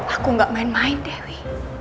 aku gak main main deh